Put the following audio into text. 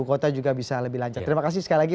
dan kota juga bisa lebih lancar terima kasih sekali lagi